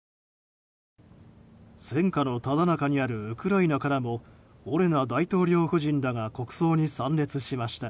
戦火のただ中にあるウクライナからもオレナ大統領夫人らが国葬に参列しました。